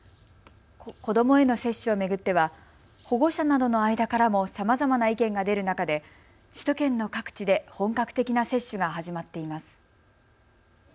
子どもへの接種を巡っては保護者などの間からもさまざまな意見が出る中で首都圏の各地で本格的な接種が始まっています。